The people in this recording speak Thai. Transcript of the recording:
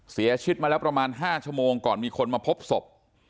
เสียชีวิตมาแล้วประมาณ๕ชั่วโมงก่อนมีคนมาพบศพ